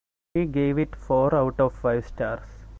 He gave it four out of five stars.